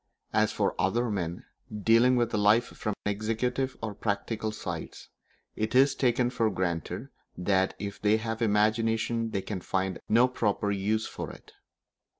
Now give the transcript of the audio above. As for other men, dealing with life from the executive or practical sides, it is taken for granted that if they have imagination they can find no proper use for it.